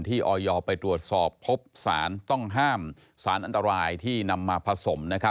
ออยไปตรวจสอบพบสารต้องห้ามสารอันตรายที่นำมาผสม